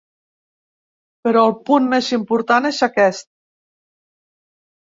Però el punt més important és aquest.